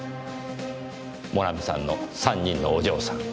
モナミさんの３人のお嬢さん。